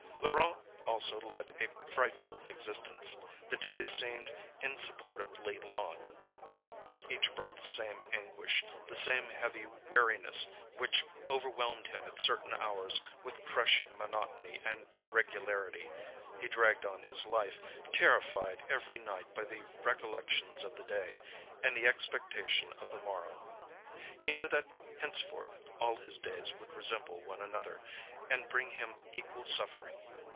Laurent also led a frightful existence. The days seemed insupportably long; each brought the same anguish, the same heavy weariness which overwhelmed him at certain hours with crushing monotony and regularity. He dragged on his life, terrified every night by the recollections of the day, and the expectation of the morrow. He knew that henceforth, all his days would resemble one another, and bring him equal suffering.